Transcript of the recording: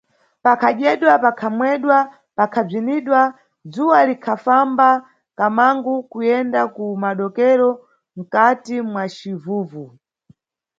Pakhadyedwa, pakhamwedwa pakhabzinidwa, dzuwa likhafamba kamangu, kuyenda ku madokero, mkati mwa civuvu.